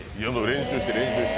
練習して練習して？